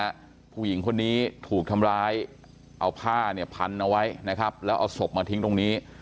ผู้หญิงคนนี้ถูกทำร้ายเอาผ้าเนี่ยพันเอาไว้นะครับแล้วเอาศพมาทิ้งตรงนี้